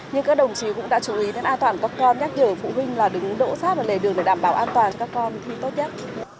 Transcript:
nhưng các đồng chí cũng đã chú ý đến an toàn các con nhắc nhở phụ huynh là đứng đỗ sát vào lề đường để đảm bảo an toàn cho các con thi tốt nhất